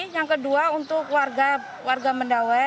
yang kedua untuk warga mendawe